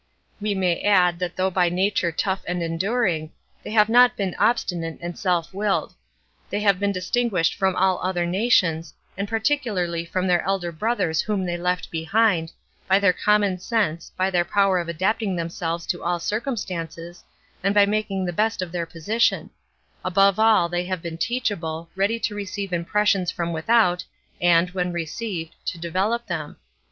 We may add, that though by nature tough and enduring, they have not been obstinate and self willed; they have been distinguished from all other nations, and particularly from their elder brothers whom they left behind, by their common sense, by their power of adapting themselves to all circumstances, and by making the best of their position; above all, they have been teachable, ready to receive impressions from without, and, when received, to develop them.